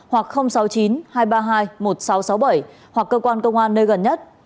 hoặc sáu mươi chín hai trăm ba mươi hai một nghìn sáu trăm sáu mươi bảy hoặc cơ quan công an nơi gần nhất